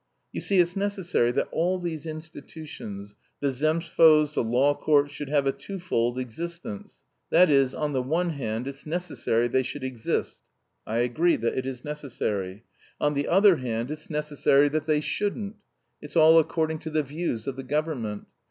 You see it's necessary that all these institutions, the zemstvos, the law courts, should have a two fold existence, that is, on the one hand, it's necessary they should exist (I agree that it is necessary), on the other hand, it's necessary that they shouldn't. It's all according to the views of the government.